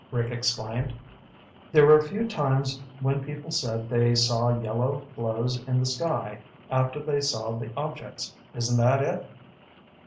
Rick exclaimed. "There were a few times when people said they saw yellow glows in the sky after they saw the objects. Isn't that it?"